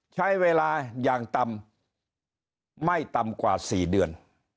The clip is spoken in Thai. ใช้เวลาอย่างต่ำไม่ต่ำกว่า๔เดือน